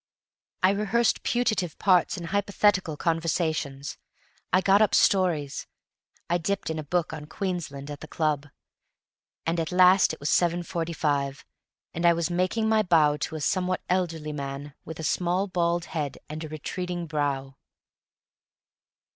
I rehearsed putative parts in hypothetical conversations. I got up stories. I dipped in a book on Queensland at the club. And at last it was 7.45, and I was making my bow to a somewhat elderly man with a small bald head and a retreating brow.